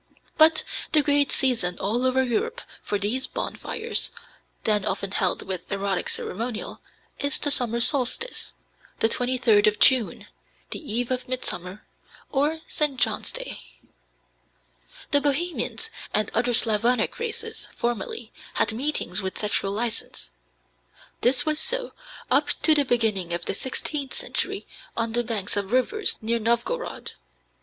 But the great season all over Europe for these bonfires, then often held with erotic ceremonial, is the summer solstice, the 23d of June, the eve of Midsummer, or St. John's Day. The Bohemians and other Slavonic races formerly had meetings with sexual license. This was so up to the beginning of the sixteenth century on the banks of rivers near Novgorod.